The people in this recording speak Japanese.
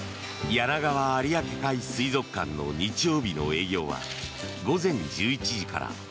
やながわ有明海水族館の日曜日の営業は午前１１時から。